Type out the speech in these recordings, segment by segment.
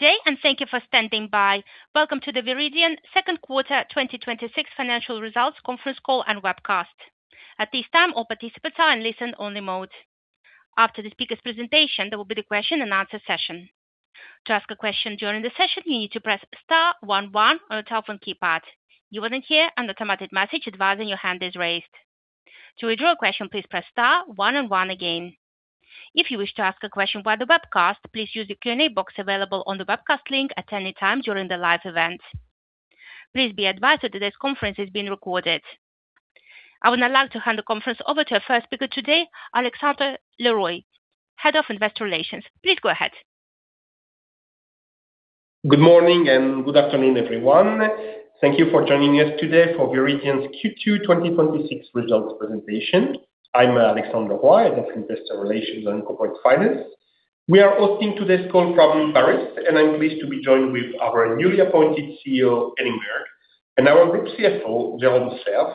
Good day. Thank you for standing by. Welcome to the Viridien second quarter 2026 financial results conference call and webcast. At this time, all participants are in listen only mode. After the speaker's presentation, there will be the question-and-answer session. To ask a question during the session, you need to press star one one on your telephone keypad. You will hear an automated message advising your hand is raised. To withdraw a question, please press star one and one again. If you wish to ask a question via the webcast, please use the Q&A box available on the webcast link at any time during the live event. Please be advised that today's conference is being recorded. I would now like to hand the conference over to our first speaker today, Alexandre Leroy, Head of Investor Relations. Please go ahead. Good morning and good afternoon, everyone. Thank you for joining us today for Viridien's Q2 2026 results presentation. I'm Alexandre Leroy, Head of Investor Relations and Corporate Finance. We are hosting today's call from Paris. I'm pleased to be joined with our newly appointed CEO, Henning Berg, and our Group CFO, Jérôme Serve,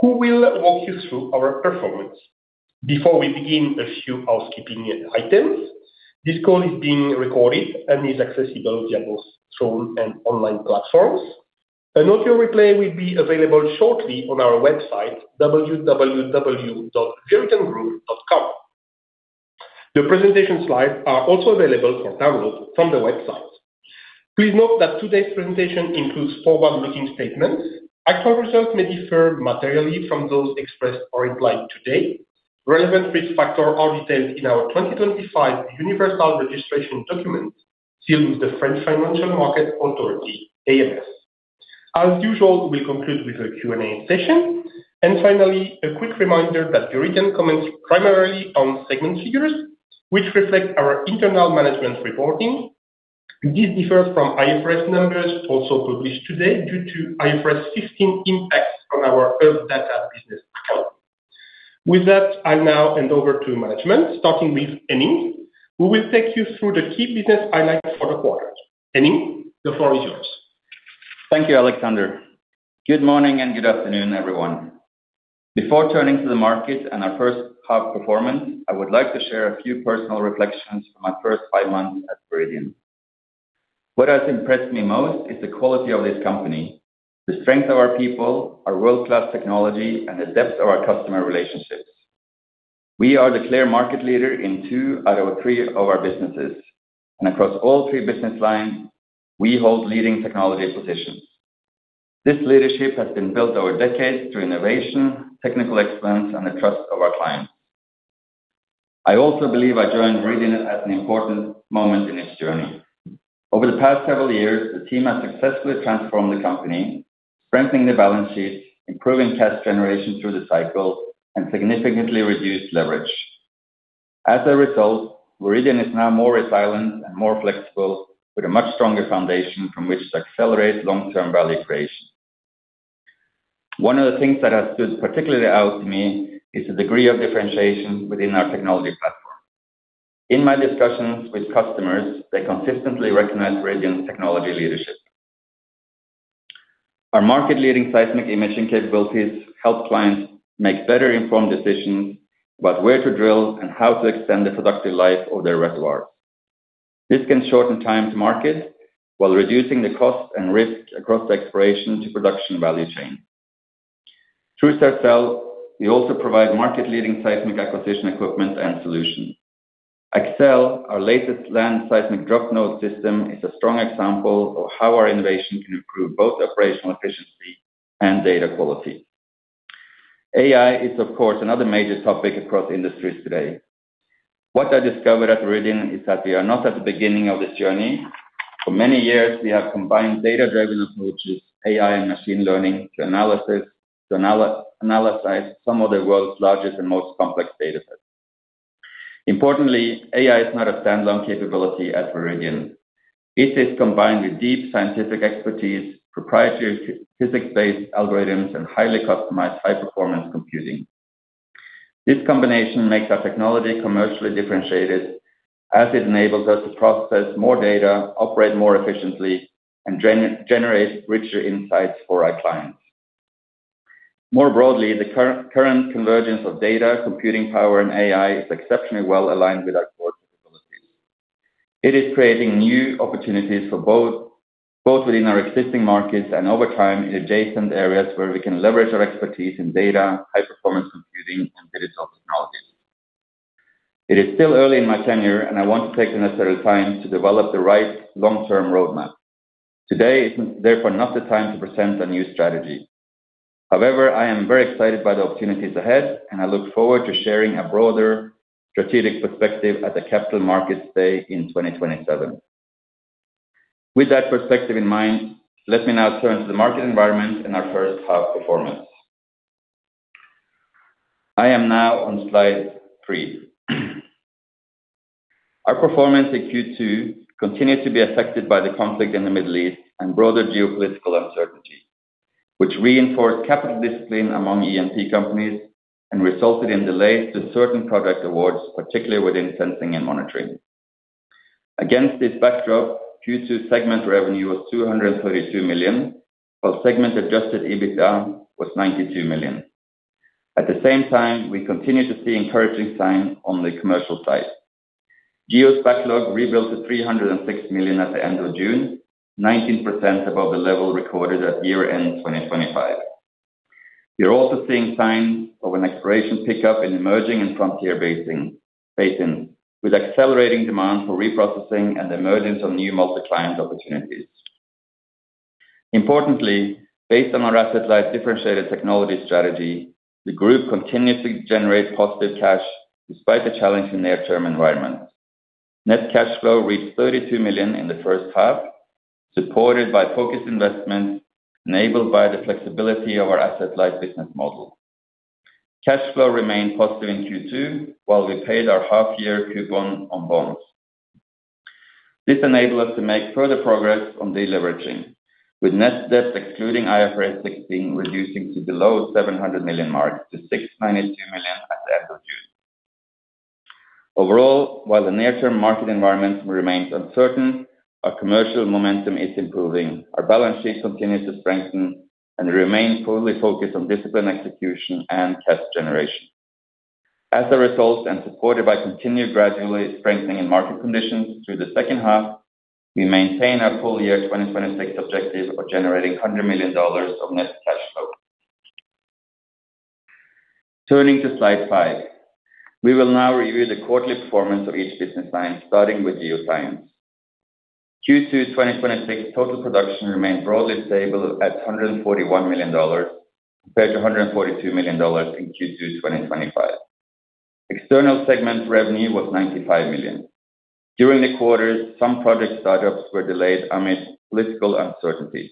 who will walk you through our performance. Before we begin, a few housekeeping items. This call is being recorded and is accessible via both phone and online platforms. An audio replay will be available shortly on our website, www.viridiengroup.com. The presentation slides are also available for download from the website. Please note that today's presentation includes forward-looking statements. Actual results may differ materially from those expressed or implied today. Relevant risk factors are detailed in our 2025 Universal Registration Document filed with the French Financial Market Authority, AMF. As usual, we conclude with a Q&A session. Finally, a quick reminder that Viridien comments primarily on segment figures, which reflect our internal management reporting. This differs from IFRS numbers also published today due to IFRS 15 impacts on our Earth Data business. With that, I now hand over to management, starting with Henning, who will take you through the key business highlights for the quarter. Henning, the floor is yours. Thank you, Alexandre. Good morning and good afternoon, everyone. Before turning to the market and our first half performance, I would like to share a few personal reflections for my first five months at Viridien. What has impressed me most is the quality of this company, the strength of our people, our world-class technology, and the depth of our customer relationships. We are the clear market leader in two out of three of our businesses. Across all three business lines, we hold leading technology positions. This leadership has been built over decades through innovation, technical excellence, and the trust of our clients. I also believe I joined Viridien at an important moment in its journey. Over the past several years, the team has successfully transformed the company, strengthening the balance sheet, improving cash generation through the cycle, and significantly reduced leverage. As a result, Viridien is now more resilient and more flexible with a much stronger foundation from which to accelerate long-term value creation. One of the things that has stood particularly out to me is the degree of differentiation within our technology platform. In my discussions with customers, they consistently recognize Viridien's technology leadership. Our market-leading seismic imaging capabilities help clients make better-informed decisions about where to drill and how to extend the productive life of their reservoirs. This can shorten time to market while reducing the cost and risk across the exploration to production value chain. Through Sercel, we also provide market-leading seismic acquisition equipment and solutions. Accel, our latest land seismic drop node system, is a strong example of how our innovation can improve both operational efficiency and data quality. AI is, of course, another major topic across industries today. What I discovered at Viridien is that we are not at the beginning of this journey. For many years, we have combined data-driven approaches, AI, and machine learning to analyze some of the world's largest and most complex datasets. Importantly, AI is not a standalone capability at Viridien. It is combined with deep scientific expertise, proprietary physics-based algorithms, and highly customized high-performance computing. This combination makes our technology commercially differentiated as it enables us to process more data, operate more efficiently, and generate richer insights for our clients. More broadly, the current convergence of data, computing power, and AI is exceptionally well-aligned with our core capabilities. It is creating new opportunities for both within our existing markets and over time in adjacent areas where we can leverage our expertise in data, high-performance computing, and digital technologies. It is still early in my tenure. I want to take the necessary time to develop the right long-term roadmap. Today is therefore not the time to present a new strategy. I am very excited by the opportunities ahead, and I look forward to sharing a broader strategic perspective at the Capital Markets Day in 2027. With that perspective in mind, let me now turn to the market environment and our first half performance. I am now on slide three. Our performance in Q2 continued to be affected by the conflict in the Middle East and broader geopolitical uncertainty, which reinforced capital discipline among E&P companies and resulted in delays to certain project awards, particularly within Sensing & Monitoring. Against this backdrop, Q2 segment revenue was $232 million, while segment Adjusted EBITDA was $92 million. At the same time, we continue to see encouraging signs on the commercial side. GEO's backlog rebuilt to $306 million at the end of June, 19% above the level recorded at year-end 2025. We are also seeing signs of an exploration pickup in emerging and frontier basins, with accelerating demand for reprocessing and the emergence of new multi-client opportunities. Importantly, based on our asset-light differentiated technology strategy, the group continues to generate positive cash despite the challenging near-term environment. Net cash flow reached $32 million in the first half, supported by focused investments enabled by the flexibility of our asset-light business model. Cash flow remained positive in Q2 while we paid our half-year coupon on bonds. This enabled us to make further progress on deleveraging, with net debt excluding IFRS 16 reducing to below $700 million mark to $692 million at the end of June. Overall, while the near-term market environment remains uncertain, our commercial momentum is improving, our balance sheet continues to strengthen, and we remain fully focused on disciplined execution and cash generation. As a result, and supported by continued gradually strengthening market conditions through the second half, we maintain our full year 2026 objective of generating $100 million of net cash flow. Turning to slide five. We will now review the quarterly performance of each business line, starting with Geoscience. Q2 2026 total production remained broadly stable at $141 million, compared to $142 million in Q2 2025. External segment revenue was $95 million. During the quarter, some project startups were delayed amidst political uncertainties.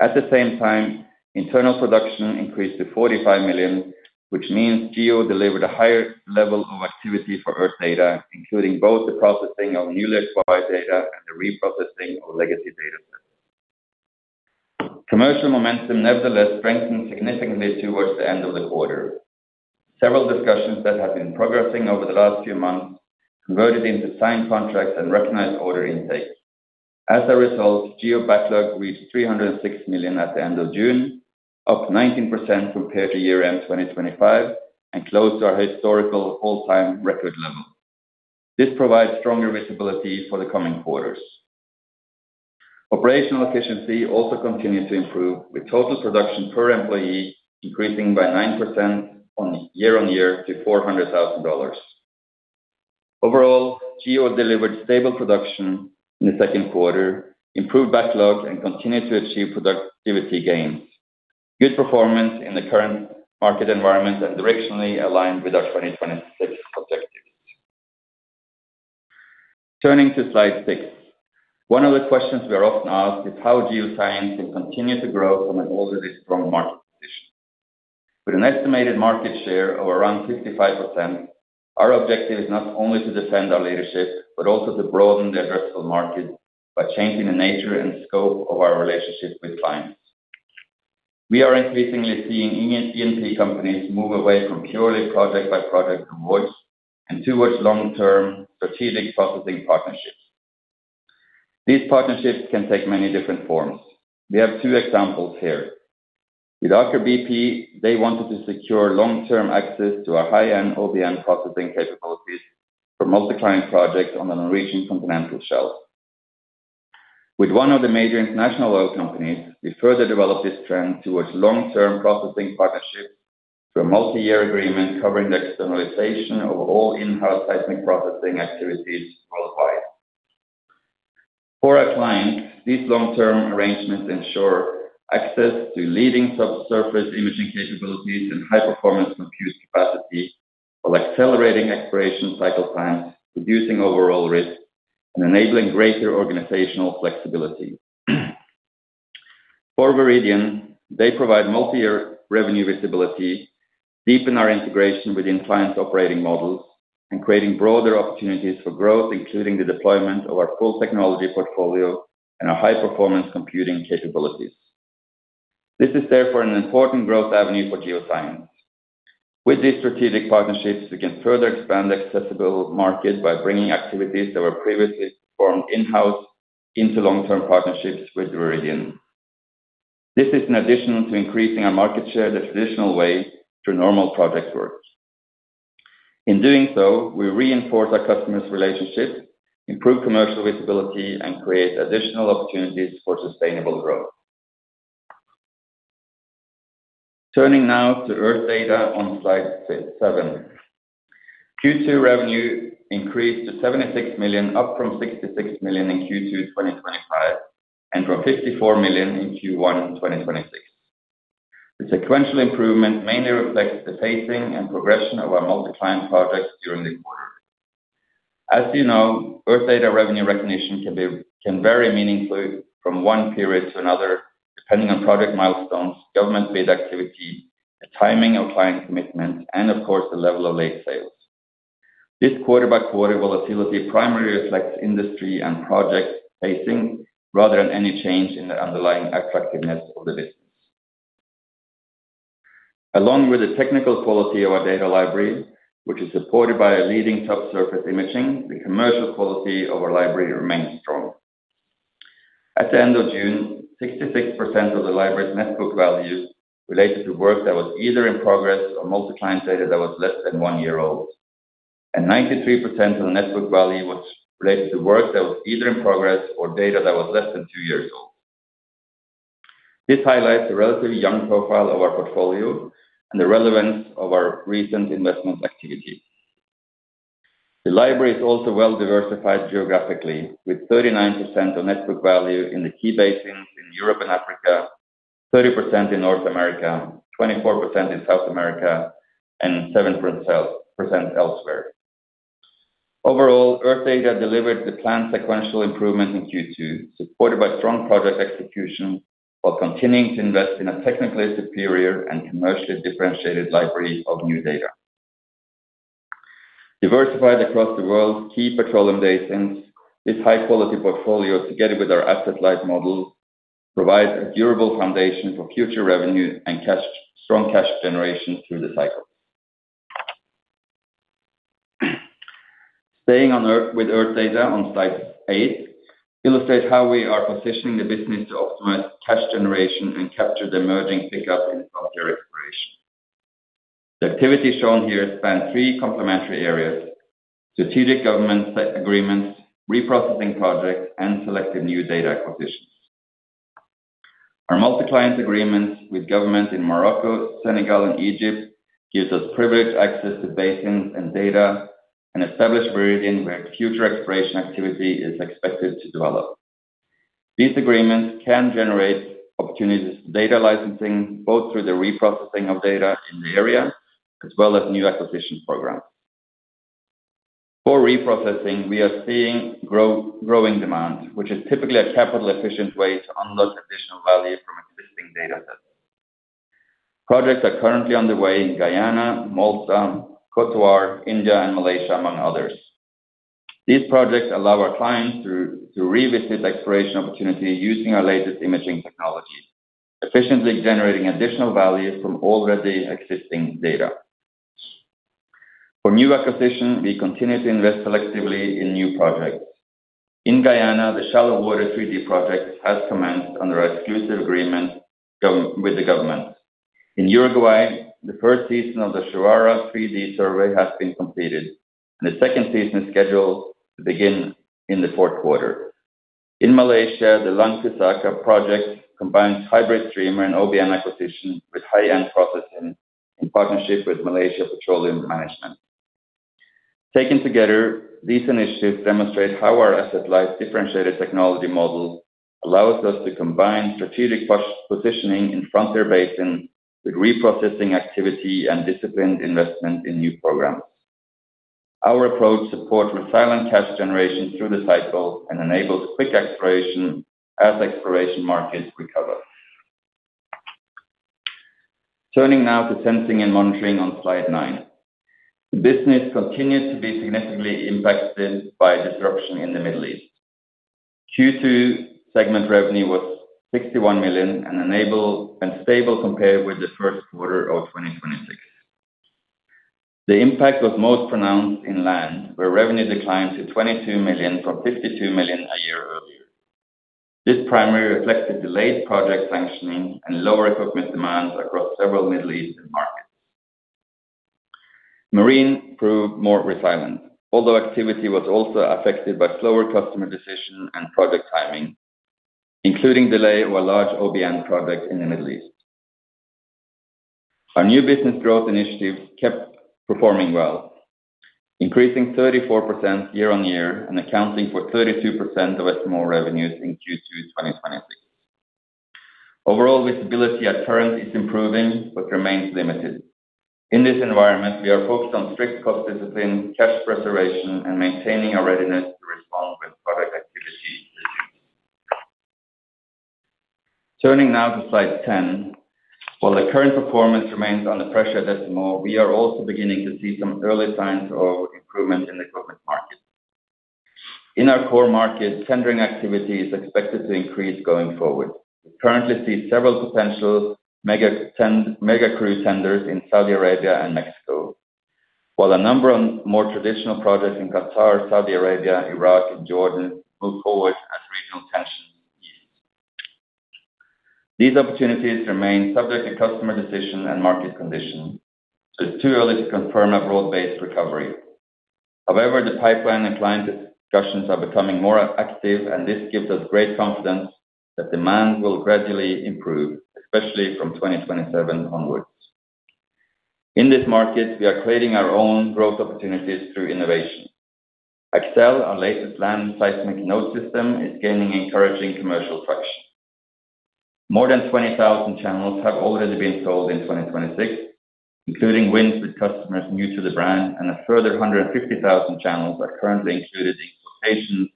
At the same time, internal production increased to $45 million, which means GEO delivered a higher level of activity for Earth Data, including both the processing of newly acquired data and the reprocessing of legacy data sets. Commercial momentum nevertheless strengthened significantly towards the end of the quarter. Several discussions that had been progressing over the last few months converted into signed contracts and recognized order intake. As a result, GEO backlog reached $306 million at the end of June, up 19% compared to year-end 2025, and close to our historical all-time record level. This provides stronger visibility for the coming quarters. Operational efficiency also continued to improve, with total production per employee increasing by 9% year-over-year to $400,000. Overall, GEO delivered stable production in the second quarter, improved backlog, and continued to achieve productivity gains. Good performance in the current market environment and directionally aligned with our 2026 objectives. Turning to slide six. One of the questions we are often asked is how Geoscience can continue to grow from an already strong market position. With an estimated market share of around 55%, our objective is not only to defend our leadership, but also to broaden the addressable market by changing the nature and scope of our relationships with clients. We are increasingly seeing E&P companies move away from purely project-by-project approach and towards long-term strategic processing partnerships. These partnerships can take many different forms. We have two examples here. With Aker BP, they wanted to secure long-term access to our high-end OBN processing capabilities for multi-client projects on the Norwegian Continental Shelf. With one of the major international oil companies, we further developed this trend towards long-term processing partnerships through a multi-year agreement covering the externalization of all in-house seismic processing activities qualified. For our clients, these long-term arrangements ensure access to leading subsurface imaging capabilities and high-performance compute capacity while accelerating exploration cycle times, reducing overall risk, and enabling greater organizational flexibility. For Viridien, they provide multi-year revenue visibility, deepen our integration within clients' operating models, and creating broader opportunities for growth, including the deployment of our full technology portfolio and our high-performance computing capabilities. This is therefore an important growth avenue for Geoscience. With these strategic partnerships, we can further expand the addressable market by bringing activities that were previously performed in-house into long-term partnerships with Viridien. This is in addition to increasing our market share the traditional way through normal project work. In doing so, we reinforce our customers' relationships, improve commercial visibility, and create additional opportunities for sustainable growth. Turning now to Earth Data on slide seven. Q2 revenue increased to $76 million, up from $66 million in Q2 2025, and from $54 million in Q1 2026. The sequential improvement mainly reflects the pacing and progression of our multi-client projects during the quarter. As you know, Earth Data revenue recognition can vary meaningfully from one period to another, depending on project milestones, government-led activity, the timing of client commitments, and of course, the level of late sales. This quarter-by-quarter volatility primarily reflects industry and project pacing rather than any change in the underlying attractiveness of the business. Along with the technical quality of our data library, which is supported by our leading subsurface imaging, the commercial quality of our library remains strong. At the end of June, 66% of the library's net book value related to work that was either in progress or multi-client data that was less than one year old. 93% of the net book value was related to work that was either in progress or data that was less than two years old. This highlights the relatively young profile of our portfolio and the relevance of our recent investment activity. The library is also well-diversified geographically, with 39% of net book value in the key basins in Europe and Africa, 30% in North America, 24% in South America, and 7% elsewhere. Overall, Earth Data delivered the planned sequential improvement in Q2, supported by strong project execution, while continuing to invest in a technically superior and commercially differentiated library of new data. Diversified across the world's key petroleum basins, this high-quality portfolio, together with our asset-light model, provides a durable foundation for future revenue and strong cash generation through the cycle. Staying with Earth Data on slide 8, illustrates how we are positioning the business to optimize cash generation and capture the emerging pickup in frontier exploration. The activity shown here spans three complementary areas: strategic government sector agreements, reprocessing projects, and selective new data acquisitions. Our multi-client agreements with governments in Morocco, Senegal, and Egypt gives us privileged access to basins and data, and establish Viridien where future exploration activity is expected to develop. These agreements can generate opportunities for data licensing, both through the reprocessing of data in the area, as well as new acquisition programs. For reprocessing, we are seeing growing demand, which is typically a capital-efficient way to unlock additional value from existing data sets. Projects are currently underway in Guyana, Malta, Côte d'Ivoire, India, and Malaysia, among others. These projects allow our clients to revisit exploration opportunities using our latest imaging technology, efficiently generating additional value from already existing data. For new acquisition, we continue to invest selectively in new projects. In Guyana, the shallow water 3D project has commenced under an exclusive agreement with the government. In Uruguay, the first season of the Charrua 3D survey has been completed, and the second season is scheduled to begin in the fourth quarter. In Malaysia, the Langkawi project combines hybrid streamer and OBN acquisition with high-end processing in partnership with Malaysia Petroleum Management. Taken together, these initiatives demonstrate how our asset-light differentiated technology model allows us to combine strategic positioning in frontier basins with reprocessing activity and disciplined investment in new programs. Our approach supports resilient cash generation through the cycle and enables quick exploration as exploration markets recover. Turning now to Sensing & Monitoring on slide 9. The business continued to be significantly impacted by disruption in the Middle East. Q2 segment revenue was $61 million and stable compared with the first quarter of 2026. The impact was most pronounced in land, where revenue declined to $22 million from $52 million a year earlier. This primarily reflected delayed project sanctioning and lower equipment demands across several Middle Eastern markets. Marine proved more resilient, although activity was also affected by slower customer decisions and project timing, including delay of a large OBN project in the Middle East. Our new business growth initiatives kept performing well, increasing 34% year-on-year and accounting for 32% of SMO revenues in Q2 2026. Overall visibility at current is improving but remains limited. In this environment, we are focused on strict cost discipline, cash preservation, and maintaining our readiness to respond with product activity. Turning now to slide 10. While the current performance remains under pressure at SMO, we are also beginning to see some early signs of improvement in the equipment market. In our core markets, tendering activity is expected to increase going forward. We currently see several potential mega crew tenders in Saudi Arabia and Mexico, while a number of more traditional projects in Qatar, Saudi Arabia, Iraq, and Jordan move forward as regional tensions ease. These opportunities remain subject to customer decision and market conditions, so it's too early to confirm a broad-based recovery. However, the pipeline and client discussions are becoming more active, and this gives us great confidence that demand will gradually improve, especially from 2027 onwards. In this market, we are creating our own growth opportunities through innovation. Accel, our latest land seismic node system, is gaining encouraging commercial traction. More than 20,000 channels have already been sold in 2026, including wins with customers new to the brand, and a further 150,000 channels are currently included in quotations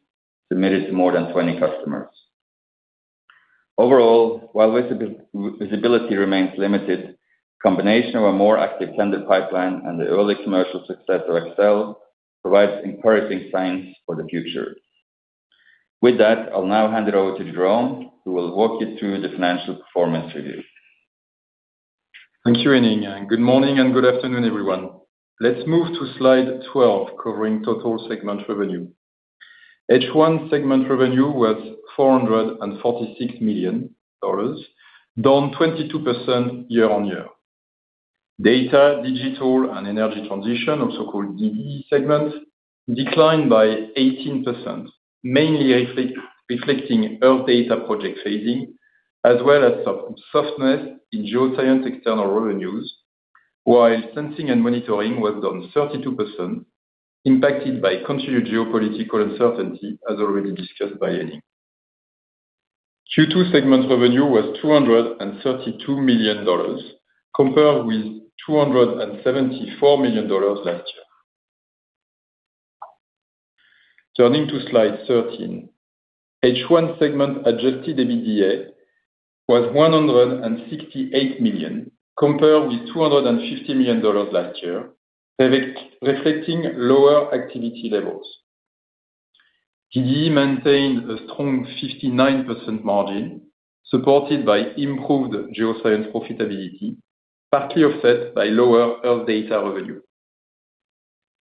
submitted to more than 20 customers. Overall, while visibility remains limited, combination of a more active tender pipeline and the early commercial success of Accel provides encouraging signs for the future. With that, I'll now hand it over to Jérôme, who will walk you through the financial performance review. Thank you, Henning. Good morning and good afternoon, everyone. Let's move to slide 12 covering total segment revenue. H1 segment revenue was $446 million, down 22% year-on-year. Data, Digital & Energy Transition, also called DDE segment, declined by 18%, mainly reflecting Earth Data project phasing, as well as some softness in Geoscience external revenues, while Sensing & Monitoring was down 32%, impacted by continued geopolitical uncertainty, as already discussed by Henning. Q2 segment revenue was $232 million, compared with $274 million last year. Turning to slide 13. H1 segment adjusted EBITDA was $168 million, compared with $250 million last year, reflecting lower activity levels. DDE maintained a strong 59% margin, supported by improved Geoscience profitability, partly offset by lower Earth Data revenue.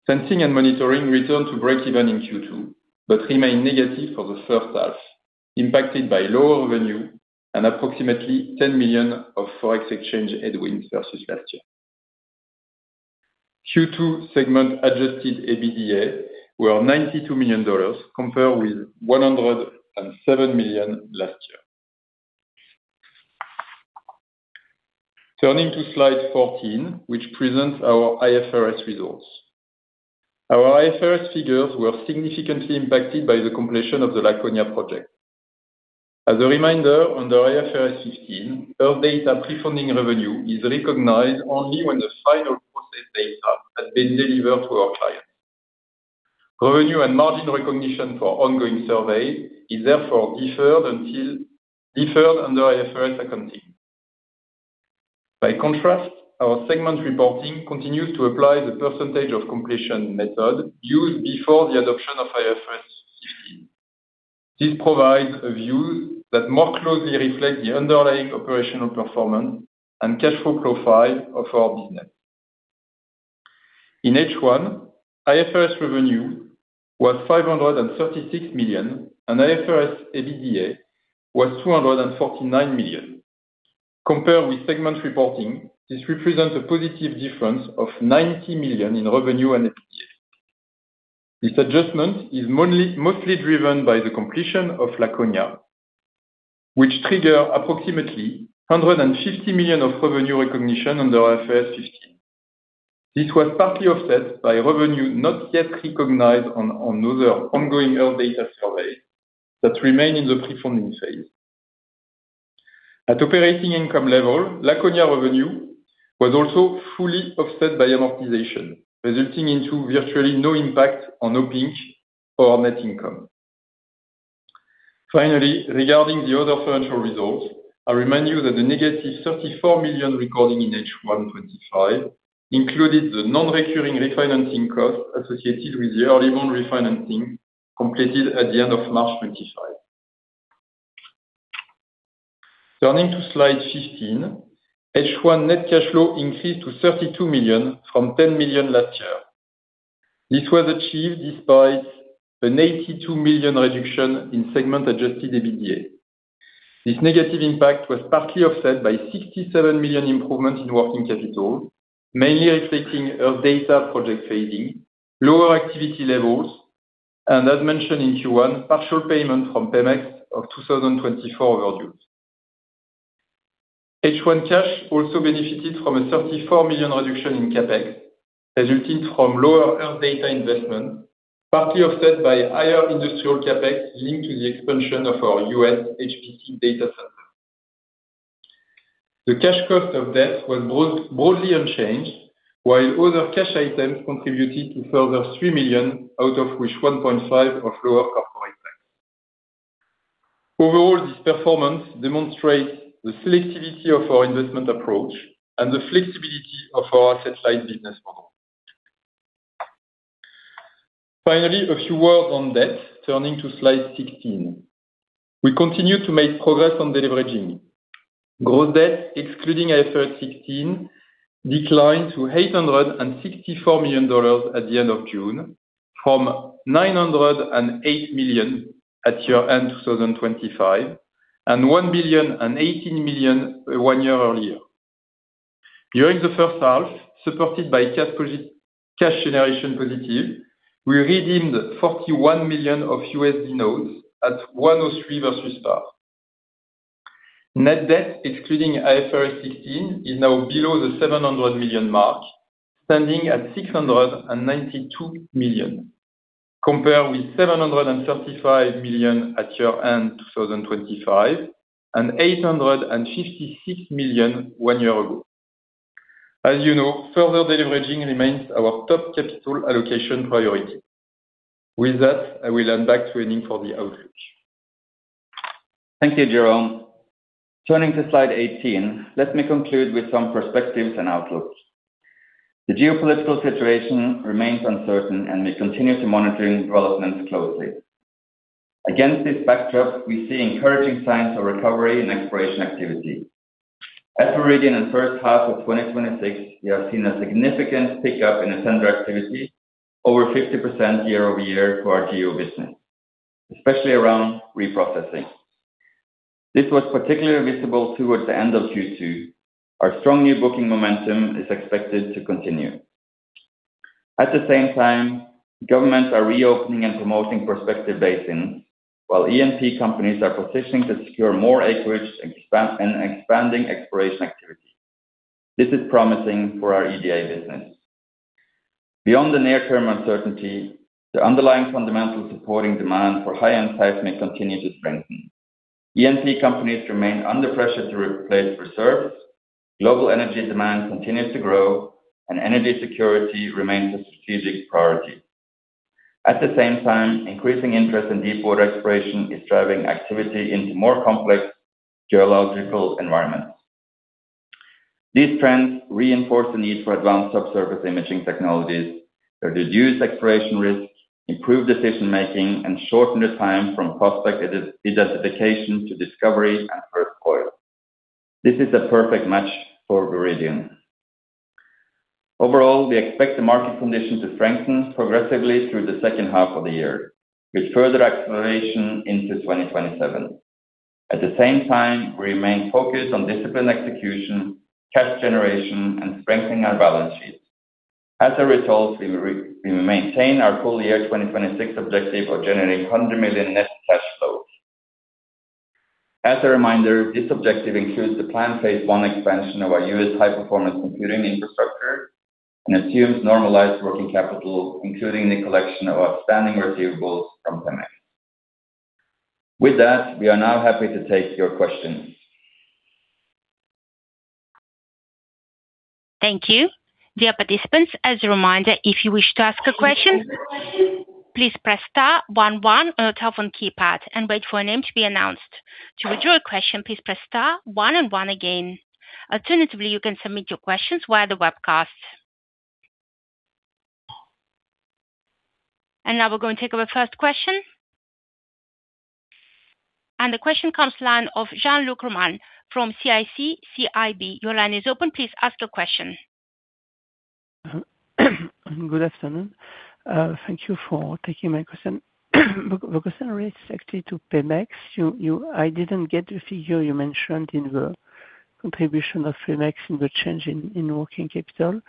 Sensing & Monitoring returned to breakeven in Q2, but remained negative for the first half, impacted by lower revenue and approximately $10 million of Forex exchange headwind versus last year. Q2 segment-adjusted EBITDA was $92 million, compared with $107 million last year. Turning to slide 14, which presents our IFRS results. Our IFRS figures were significantly impacted by the completion of the Laconia project. As a reminder, under IFRS 15, Earth Data prefunding revenue is recognized only when the final processed data has been delivered to our client. Revenue and margin recognition for ongoing survey is therefore deferred under IFRS accounting. By contrast, our segment reporting continues to apply the percentage of completion method used before the adoption of IFRS 16. This provides a view that more closely reflects the underlying operational performance and cash flow profile of our business. In H1, IFRS revenue was $536 million, and IFRS EBITDA was $249 million. Compared with segment reporting, this represents a positive difference of $90 million in revenue and EBITDA. This adjustment is mostly driven by the completion of Laconia, which triggered approximately $150 million of revenue recognition under IFRS 16. This was partly offset by revenue not yet recognized on other ongoing Earth Data surveys that remain in the prefunding phase. At operating income level, Laconia revenue was also fully offset by amortization, resulting in virtually no impact on operating or net income. Finally, regarding the other financial results, I remind you that the negative $34 million recorded in H1 2025 included the non-recurring refinancing costs associated with the early bond refinancing completed at the end of March 2025. Turning to slide 15, H1 net cash flow increased to $32 million from $10 million last year. This was achieved despite an $82 million reduction in segment-adjusted EBITDA. This negative impact was partly offset by $67 million improvement in working capital, mainly reflecting Earth Data project phasing, lower activity levels, and, as mentioned in Q1, partial payment from Pemex of 2024 overages. H1 cash also benefited from a $34 million reduction in CapEx, resulting from lower Earth Data investment, partly offset by higher industrial CapEx linked to the expansion of our U.S. HPC data center. The cash cost of debt was broadly unchanged, while other cash items contributed a further $3 million, out of which $1.5 million is lower corporate tax. Overall, this performance demonstrates the selectivity of our investment approach and the flexibility of our asset-light business model. Finally, a few words on debt, turning to slide 16. We continue to make progress on deleveraging. Gross debt, excluding IFRS 16, declined to $864 million at the end of June from $908 million at year-end 2025 and $1,080 million one year earlier. During the first half, supported by cash generation positive, we redeemed $41 million of USD notes at 103 versus par. Net debt, excluding IFRS 16, is now below the $700 million mark, standing at $692 million, compared with $735 million at year-end 2025 and $856 million one year ago. As you know, further deleveraging remains our top capital allocation priority. With that, I will hand back to Henning for the outlook. Thank you, Jérôme. Turning to slide 18, let me conclude with some perspectives and outlooks. The geopolitical situation remains uncertain, we continue to monitor developments closely. Against this backdrop, we see encouraging signs of recovery and exploration activity. At Viridien in the first half of 2026, we have seen a significant pickup in Sercel activity, over 50% year-over-year to our GEO business, especially around reprocessing. This was particularly visible towards the end of Q2. Our strong new booking momentum is expected to continue. At the same time, governments are reopening and promoting prospective basins, while E&P companies are positioning to secure more acreage and expanding exploration activity. This is promising for our Earth Data business. Beyond the near-term uncertainty, the underlying fundamental supporting demand for high-end seismic continue to strengthen. E&P companies remain under pressure to replace reserves, global energy demand continues to grow, energy security remains a strategic priority. At the same time, increasing interest in deep water exploration is driving activity into more complex geological environments. These trends reinforce the need for advanced subsurface imaging technologies to reduce exploration risks, improve decision-making, shorten the time from prospect identification to discovery and first oil. This is a perfect match for Viridien. Overall, we expect the market condition to strengthen progressively through the second half of the year, with further acceleration into 2027. At the same time, we remain focused on disciplined execution, cash generation, strengthening our balance sheet. As a result, we will maintain our full year 2026 objective of generating $100 million net cash flows. As a reminder, this objective includes the planned phase I expansion of our U.S. HPC infrastructure and assumes normalized working capital, including the collection of outstanding receivables from Pemex. With that, we are now happy to take your questions. Thank you. Dear participants, as a reminder, if you wish to ask a question, please press star one one on your telephone keypad and wait for a name to be announced. To withdraw your question, please press star one and one again. Alternatively, you can submit your questions via the webcast. Now we're going to take our first question. The question comes line of Jean-Luc Romain from CIC CIB. Your line is open. Please ask the question. Good afternoon. Thank you for taking my question. The question relates actually to Pemex. I didn't get the figure you mentioned in the contribution of Pemex in the change in working capital.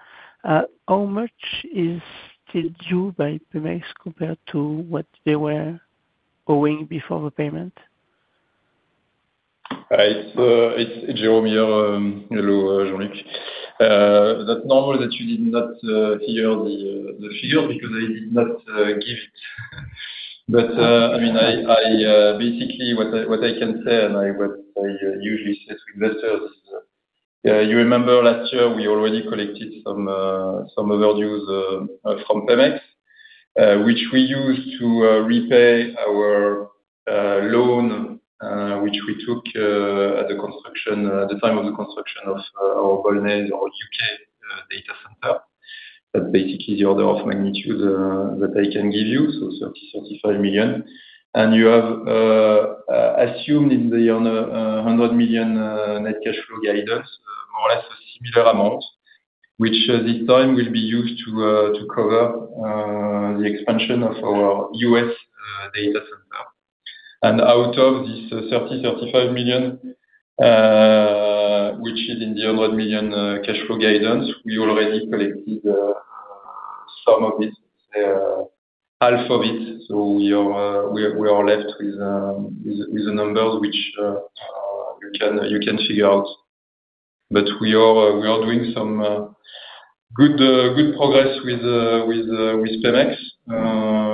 How much is still due by Pemex compared to what they were owing before the payment? It's Jérôme here. Hello, Jean-Luc. That's normal that you did not hear the figure because I did not give it. Basically, what I can say, and what I usually say to investors is, you remember last year we already collected some overdue from Pemex, which we used to repay our loan, which we took at the time of the construction of our U.K. HPC Hub, our U.K. data center. That's basically the order of magnitude that I can give you, so $30 million-$35 million. You have assumed in the $100 million net cash flow guidance, more or less a similar amount, which this time will be used to cover the expansion of our U.S. data center. Out of this $30 million-$35 million, which is in the $100 million cash flow guidance, we already collected some of it. Say half of it. We are left with a number which you can figure out. We are doing some good progress with Pemex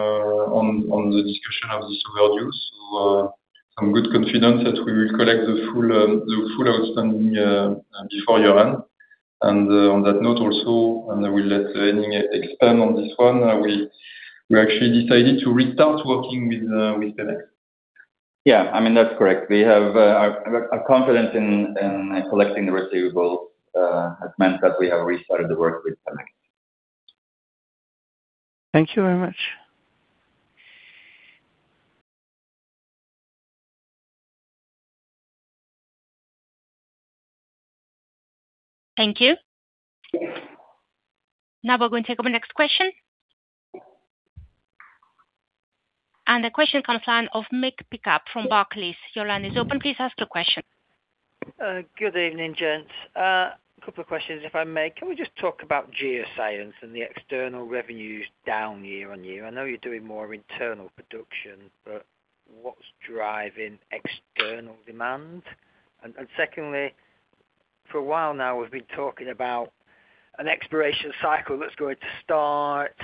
on the discussion of this overdue. I'm good confidence that we will collect the full outstanding before year-end. On that note also, I will let Henning expand on this one, we actually decided to restart working with Pemex. Yeah, that's correct. We have a confidence in collecting the receivable that meant that we have restarted the work with Pemex. Thank you very much. Thank you. We're going to take our next question. The question comes line of Mick Pickup from Barclays. Your line is open. Please ask your question. Good evening, gents. A couple of questions, if I may. Can we just talk about Geoscience and the external revenues down year-on-year? I know you're doing more internal production, but what's driving external demand? Secondly, for a while now we've been talking about an exploration cycle that's going to start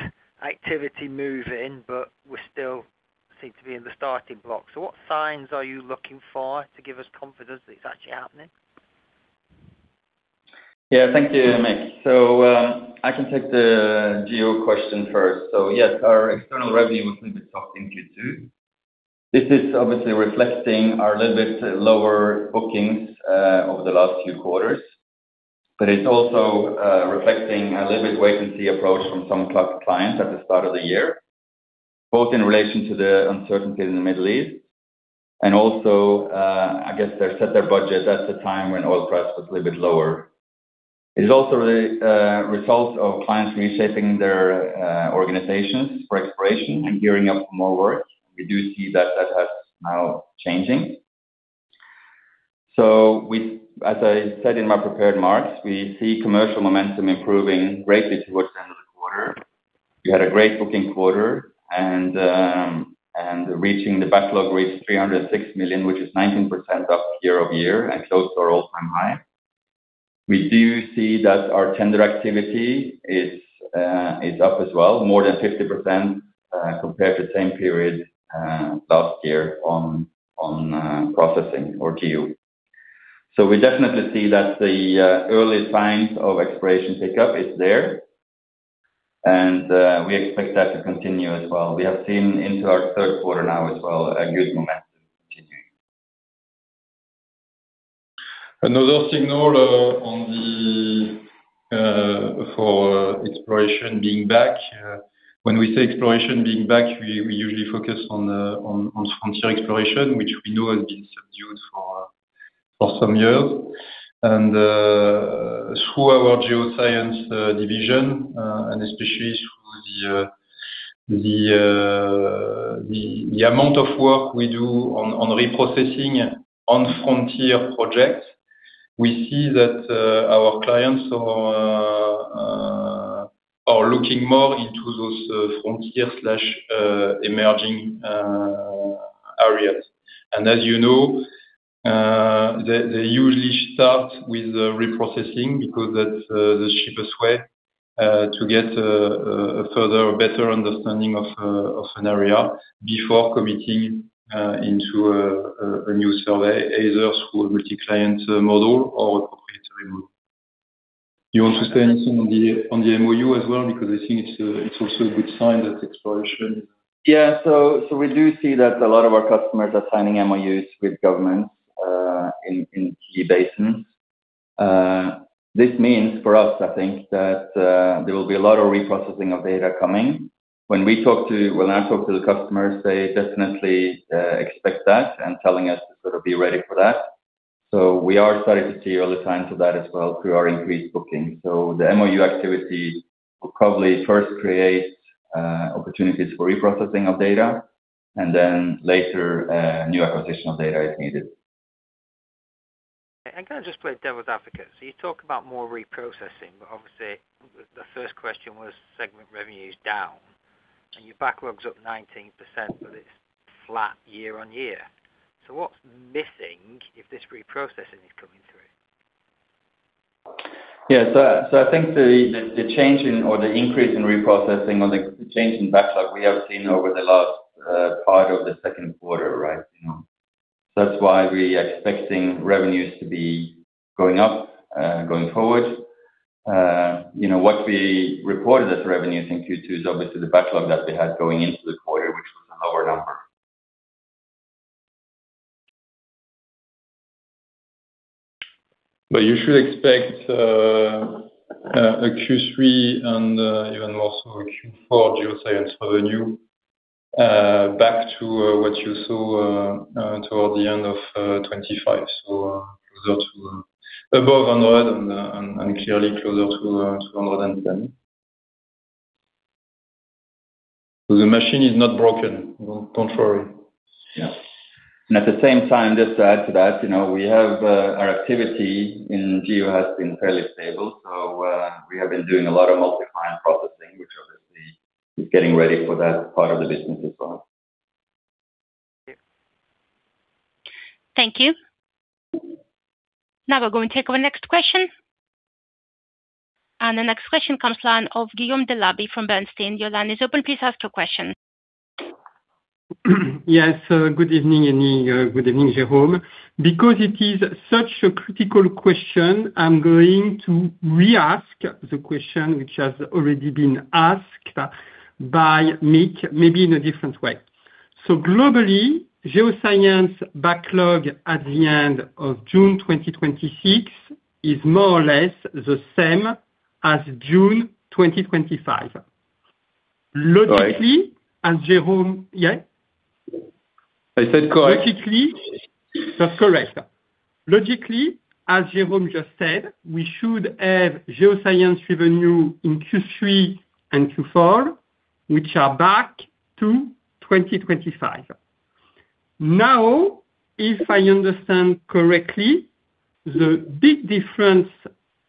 activity moving, but we still seem to be in the starting blocks. What signs are you looking for to give us confidence that it's actually happening? Thank you, Mick. I can take the GEO question first. Yes, our external revenue was a bit soft in Q2. This is obviously reflecting our little bit lower bookings over the last few quarters. It's also reflecting a little bit wait-and-see approach from some clients at the start of the year, both in relation to the uncertainty in the Middle East and also, I guess they set their budget at the time when oil price was a little bit lower. It is also a result of clients reshaping their organizations for exploration and gearing up for more work. We do see that that has now changing. As I said in my prepared remarks, we see commercial momentum improving greatly towards the end of the quarter. We had a great booking quarter, the backlog reached $306 million, which is 19% up year-over-year and close to our all-time high. We do see that our tender activity is up as well, more than 50% compared to the same period last year on processing or GEO. We definitely see that the early signs of exploration pickup is there, and we expect that to continue as well. We have seen into our third quarter now as well, a good momentum continuing. Another signal for exploration being back. When we say exploration being back, we usually focus on frontier exploration, which we know has been subdued for some years. Through our Geoscience division, and especially through the amount of work we do on reprocessing on frontier projects, we see that our clients are looking more into those frontier/emerging areas. As you know, they usually start with reprocessing because that's the cheapest way to get a further or better understanding of an area before committing into a new survey, either through a multi-client model or a proprietary model. You want to say anything on the MOU as well? Because I think it's also a good sign that exploration. Yeah. We do see that a lot of our customers are signing MOUs with governments, in key basins. This means for us, I think that there will be a lot of reprocessing of data coming. When I talk to the customers, they definitely expect that and telling us to sort of be ready for that. We are starting to see early signs of that as well through our increased booking. The MOU activity will probably first create opportunities for reprocessing of data and then later, new acquisition of data is needed. I'm going to just play devil's advocate. You talk about more reprocessing, but obviously the first question was segment revenue's down and your backlog's up 19%, but it's flat year-on-year. What's missing if this reprocessing is coming through? Yeah. I think the change or the increase in reprocessing or the change in backlog we have seen over the last part of the second quarter, right? That's why we're expecting revenues to be going up going forward. What we reported as revenues in Q2 is obviously the backlog that we had going into the quarter, which was a lower number. You should expect a Q3 and even also a Q4 Geoscience revenue back to what you saw towards the end of 2025. Closer to above 100 and clearly closer to 110. The machine is not broken. Don't worry. Yes. At the same time, just to add to that, our activity in GEO has been fairly stable. We have been doing a lot of multi-client processing, which obviously is getting ready for that part of the business as well. Thank you. Thank you. We're going to take our next question. The next question comes line of Guillaume Delaby from Bernstein. Your line is open. Please ask your question. Yes. Good evening, Henning. Good evening, Jérôme. Because it is such a critical question, I'm going to re-ask the question which has already been asked by Mick, maybe in a different way. Globally, Geoscience backlog at the end of June 2026 is more or less the same as June 2025. Logically, Jérôme-- Yeah? I said correctly. That's correct. Logically, as Jérôme just said, we should have Geoscience revenue in Q3 and Q4, which are back to 2025. If I understand correctly, the big difference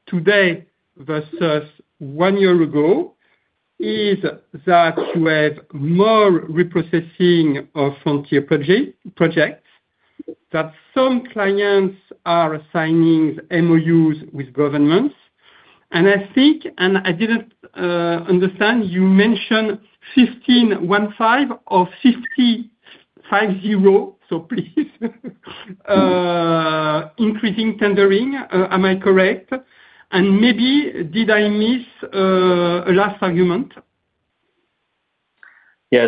today versus one year ago is that you have more reprocessing of frontier projects, that some clients are signing MOU with governments. I think, and I didn't understand, you mentioned 1515 or 550, so please increasing tendering. Am I correct? Maybe did I miss a last argument? Yeah.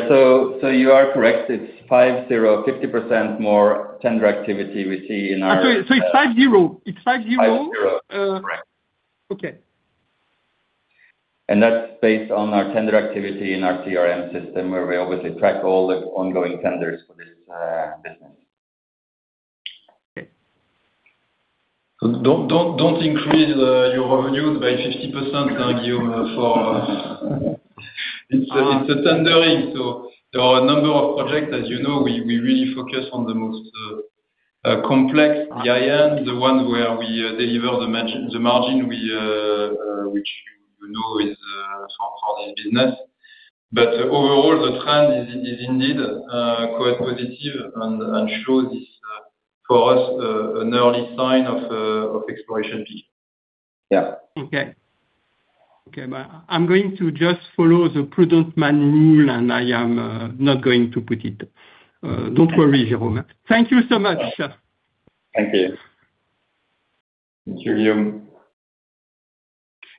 You are correct. It's 50% more tender activity we see in our- Sorry, it's 50%? 50%. Correct. Okay. That's based on our tender activity in our CRM system, where we obviously track all the ongoing tenders for this business. Okay. Don't increase your revenues by 50%, Guillaume, for It's the tendering. There are a number of projects. As you know, we really focus on the most complex, the high-end, the ones where we deliver the margin, which you know is for this business. Overall, the trend is indeed quite positive and shows this for us an early sign of exploration peak. Yeah. Okay. I'm going to just follow the prudent man rule, and I am not going to put it. Don't worry, Jérôme. Thank you so much, sir. Thank you. Thank you, Guillaume.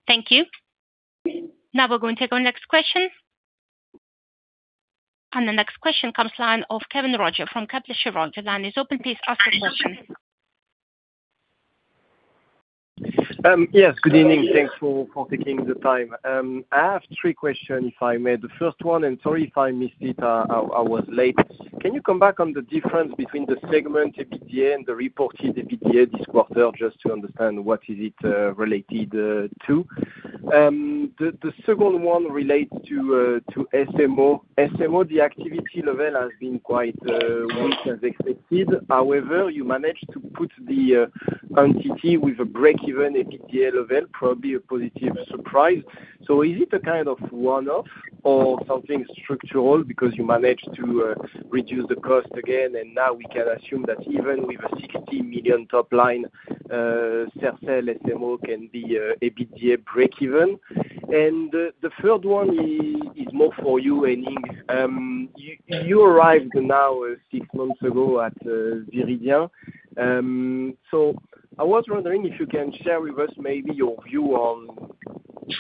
Thank you. Now we're going to take our next question. The next question comes line of Kévin Roger from Kepler Cheuvreux. Line is open, please ask your question. Yes, good evening. Thanks for taking the time. I have three questions, if I may. The first one, sorry if I missed it, I was late. Can you come back on the difference between the segment EBITDA and the reported EBITDA this quarter, just to understand what is it related to? The second one relates to SMO. SMO, the activity level has been quite weak as expected. However, you managed to put the entity with a break-even EBITDA level, probably a positive surprise. Is it a kind of one-off or something structural because you managed to reduce the cost again, and now we can assume that even with a $60 million top line, Sercel SMO can be EBITDA break even? The third one is more for you, Henning. You arrived now six months ago at Viridien. I was wondering if you can share with us maybe your view on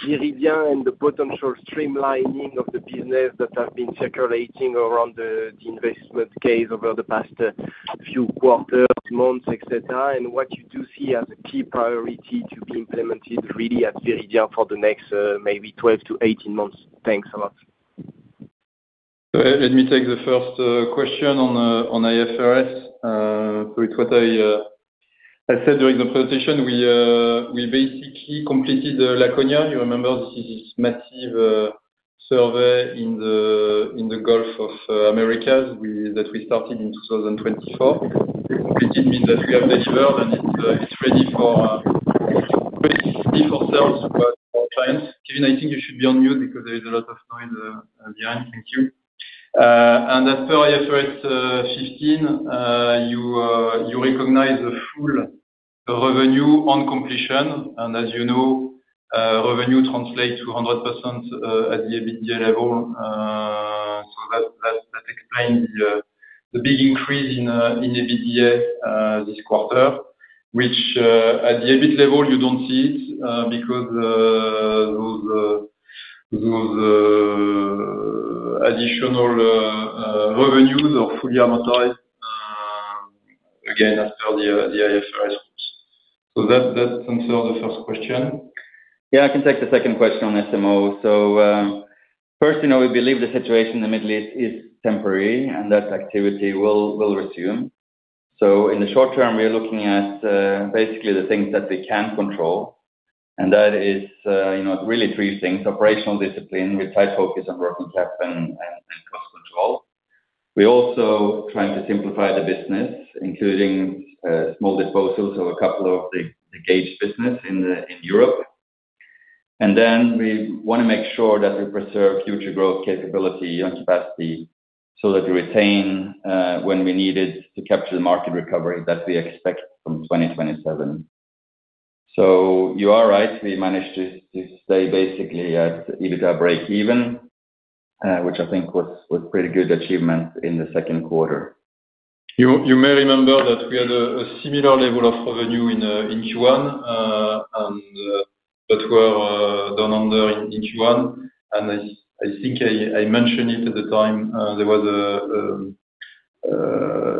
Viridien and the potential streamlining of the business that has been circulating around the investment case over the past few quarters, months, et cetera, and what you do see as a key priority to be implemented really at Viridien for the next maybe 12 to 18 months. Thanks a lot. Let me take the first question on IFRS. With what I said during the presentation, we basically completed Laconia. You remember this is this massive survey in the Gulf of Mexico that we started in 2024. It did mean that we have delivered, and it's ready for sales for our clients. Kévin, I think you should be on mute because there is a lot of noise behind. Thank you. As per IFRS 15, you recognize the full revenue on completion. As you know, revenue translates to 100% at the EBITDA level. That explains the big increase in EBITDA this quarter, which at the EBIT level you don't see it because those additional revenues are fully amortized, again, as per the IFRS. That answers the first question. I can take the second question on SMO. First, we believe the situation in the Middle East is temporary, and that activity will resume. In the short term, we are looking at basically the things that we can control, and that is really three things: operational discipline with tight focus on working capital and cost control. We are also trying to simplify the business, including small disposals of a couple of the gauge business in Europe. Then we want to make sure that we preserve future growth capability and capacity, so that we retain when we need it to capture the market recovery that we expect from 2027. You are right, we managed to stay basically at EBITDA break-even, which I think was pretty good achievement in the second quarter. You may remember that we had a similar level of revenue in Q1, but were down under in Q1. I think I mentioned it at the time, there was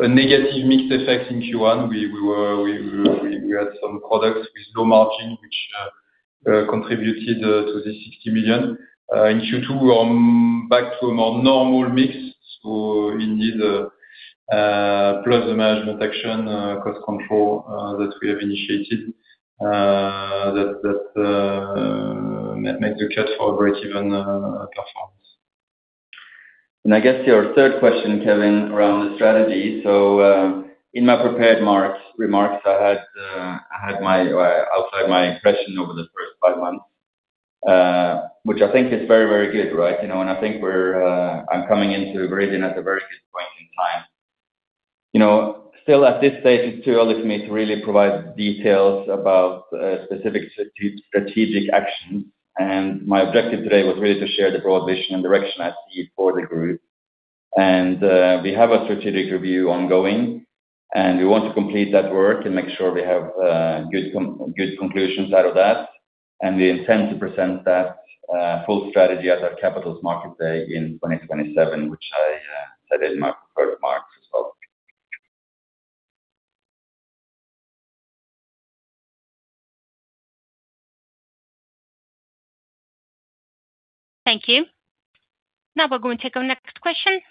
a negative mix effect in Q1. We had some products with low margin, which contributed to the $60 million. In Q2, we are back to a more normal mix. Indeed, plus the management action, cost control that we have initiated, that makes the case for break-even performance. I guess your third question, Kévin, around the strategy. In my prepared remarks, I had outlined my impression over the first five months, which I think is very good. I think I'm coming into Viridien at a very good point in time. Still, at this stage, it is too early for me to really provide details about specific strategic action. My objective today was really to share the broad vision and direction I see for the group. We have a strategic review ongoing, and we want to complete that work and make sure we have good conclusions out of that. We intend to present that full strategy at our Capital Markets Day in 2027, which I said in my prepared remarks as well. Thank you. Now we're going to take our next question.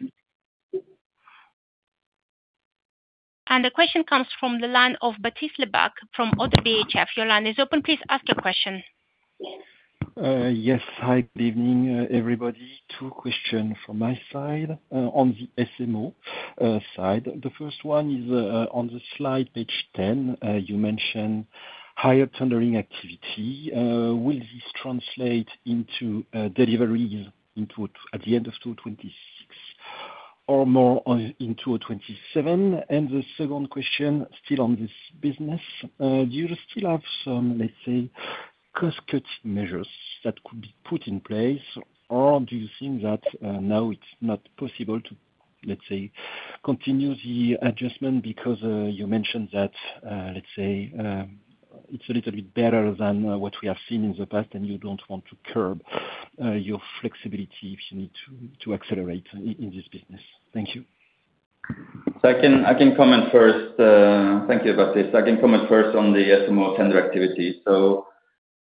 The question comes from the line of Baptiste Lebacq from Oddo BHF. Your line is open. Please ask your question. Yes. Hi. Good evening, everybody. Two question from my side on the SMO side. The first one is on the slide page 10, you mention higher tendering activity. Will this translate into deliveries at the end of 2026 or more in 2027? The second question still on this business, do you still have some, let's say, cost-cut measures that could be put in place? Or do you think that now it's not possible to, let's say, continue the adjustment because you mentioned that, let's say it's a little bit better than what we have seen in the past, and you don't want to curb your flexibility if you need to accelerate in this business. Thank you. I can comment first. Thank you, Baptiste. I can comment first on the SMO tender activity.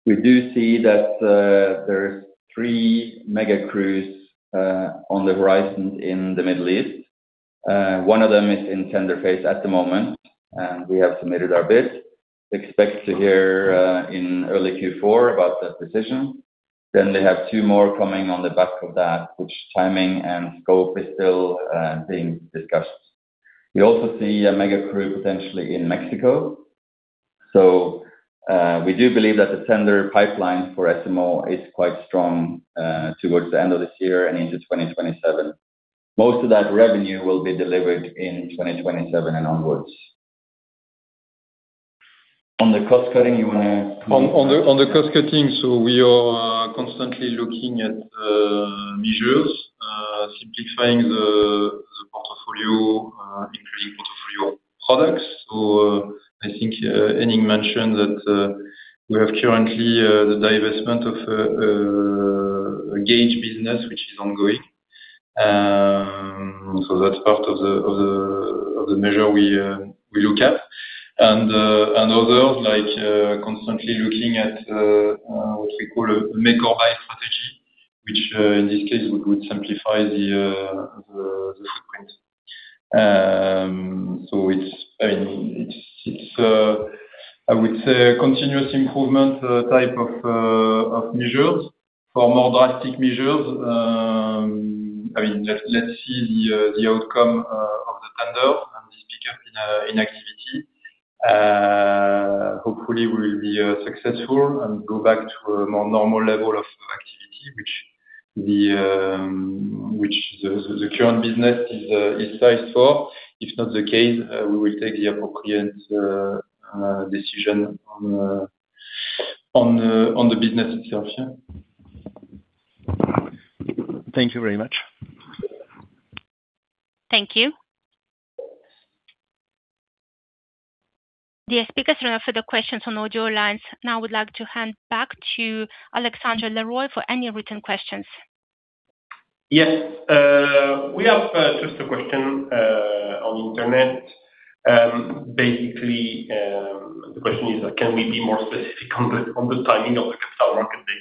We do see that there is three mega crews on the horizon in the Middle East. One of them is in tender phase at the moment, and we have submitted our bid. Expect to hear in early Q4 about that decision. They have two more coming on the back of that, which timing and scope is still being discussed. We also see a mega crew potentially in Mexico. We do believe that the tender pipeline for SMO is quite strong towards the end of this year and into 2027. Most of that revenue will be delivered in 2027 and onwards. On the cost cutting you want to- On the cost cutting, we are constantly looking at measures, simplifying the portfolio, increasing portfolio products. I think Henning mentioned that we have currently the divestment of gauge business, which is ongoing. That's part of the measure we look at. Others like constantly looking at what we call a make or buy strategy, which in this case would simplify the footprint. I would say continuous improvement type of measures. For more drastic measures, let's see the outcome of the tender and this pickup in activity. Hopefully we will be successful and go back to a more normal level of activity, which the current business is sized for. If not the case, we will take the appropriate decision on the business itself. Thank you very much. Thank you. The speakers have answered the questions on all your lines. I would like to hand back to Alexandre Leroy for any written questions. Yes. We have just a question on the internet. Basically, the question is, can we be more specific on the timing of the Capital Markets date?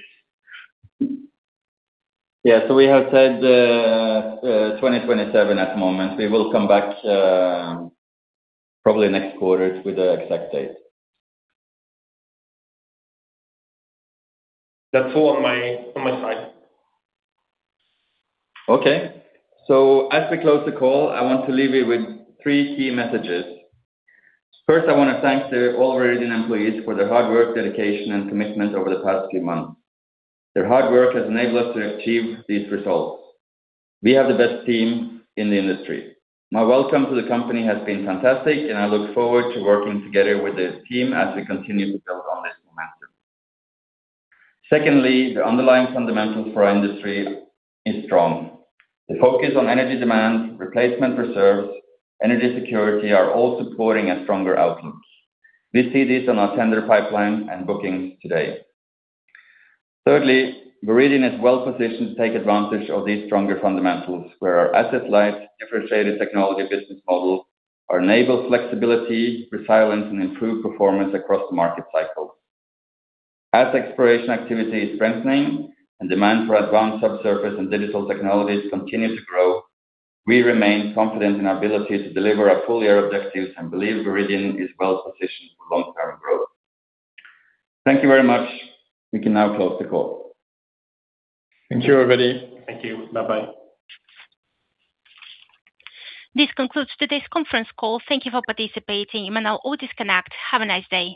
Yeah. We have said 2027 at the moment. We will come back probably next quarter with the exact date. That's all on my side. As we close the call, I want to leave you with three key messages. First, I want to thank the Viridien employees for their hard work, dedication, and commitment over the past few months. Their hard work has enabled us to achieve these results. We have the best team in the industry. My welcome to the company has been fantastic, and I look forward to working together with the team as we continue to build on this momentum. Secondly, the underlying fundamentals for our industry is strong. The focus on energy demand, replacement reserves, energy security are all supporting a stronger outlook. We see this on our tender pipeline and bookings today. Thirdly, Viridien is well-positioned to take advantage of these stronger fundamentals where our asset-light, differentiated technology business model enable flexibility, resilience, and improved performance across the market cycle. As exploration activity is strengthening and demand for advanced subsurface and digital technologies continue to grow, we remain confident in our ability to deliver our full year objectives and believe Viridien is well positioned for long-term growth. Thank you very much. We can now close the call. Thank you, everybody. Thank you. Bye-bye. This concludes today's conference call. Thank you for participating. You may now all disconnect. Have a nice day.